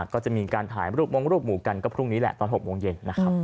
ก็จะมีการถ่ายรูปมงรูปหมู่กันก็พรุ่งนี้แหละตอน๖โมงเย็นนะครับ